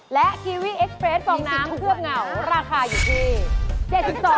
และทีวีเอ็กซเฟรดฟองน้ำเคลือบเหงาราคาอยู่ที่๗๒บาท